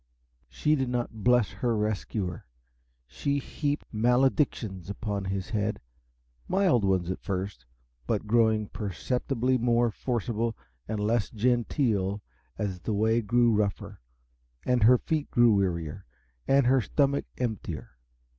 She did not bless her rescuer; she heaped maledictions upon his head mild ones at first, but growing perceptibly more forcible and less genteel as the way grew rougher, and her feet grew wearier, and her stomach emptier.